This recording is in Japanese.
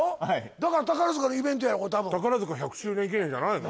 だから宝塚のイベントやこれ多分宝塚１００周年記念じゃないの？